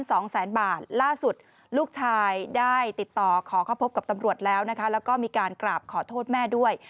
ต้องการทั้งนึงแล้วผมทำที่ให้เขาเลิกดีตามความกฎหมาย